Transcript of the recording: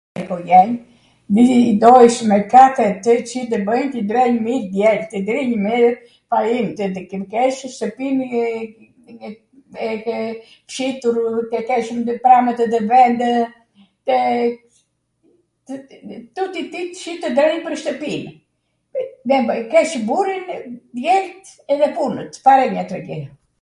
ikojen, viij, dojsh me katwr Ci tw bwnj, ti ndrenj mir djeltw, ti drinj mir fain, tw keshw shtwpin Citur, tw keshwm pramatw nw vendw, tuti shitet pwr shtwpi. Keshw burinw, djelt edhe punwt, farenjw tw gj...